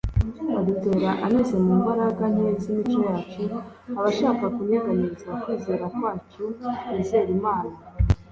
Adutera anyuze mu mbaraga nke z'imico yacu. Aba ashaka kunyeganyeza kwizera kwacu twizera Imana